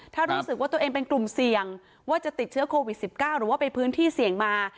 ถ้ารู้สึกว่าตัวเองเป็นกลุ่มเสี่ยงว่าจะติดเชื้อโควิด๑๙หรือว่าไปพื้นที่เสี่ยงมา